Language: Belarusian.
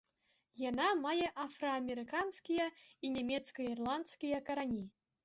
Яна мае афраамерыканскія і нямецка-ірландскія карані.